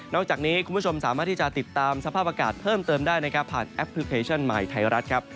อกจากนี้คุณผู้ชมสามารถที่จะติดตามสภาพอากาศเพิ่มเติมได้นะครับผ่านแอปพลิเคชันใหม่ไทยรัฐครับ